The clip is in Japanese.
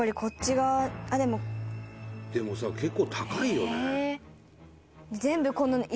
伊達：でもさ、結構高いよね。